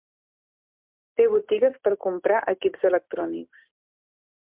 Té botigues per comprar equips electrònics.